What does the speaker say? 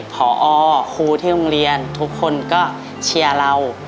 พอครูที่โรงเรียนทุกคนก็เชียร์เรา